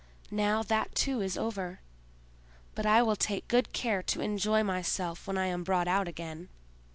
Now that too is over. But I will take good care to enjoy myself when I am brought out again."